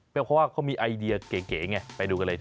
เพราะว่าเขามีไอเดียเก๋ไงไปดูกันเลย